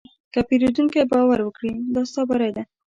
که پیرودونکی باور وکړي، دا ستا بری دی.